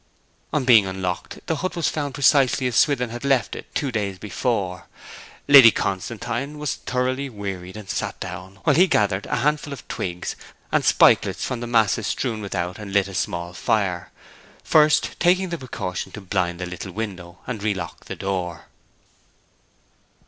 On being unlocked the hut was found precisely as Swithin had left it two days before. Lady Constantine was thoroughly wearied, and sat down, while he gathered a handful of twigs and spikelets from the masses strewn without and lit a small fire, first taking the precaution to blind the little window and relock the door.